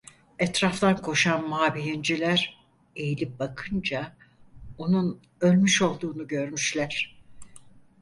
Etraftan koşan mabeyinciler eğilip bakınca onun ölmüş olduğunu görmüşler.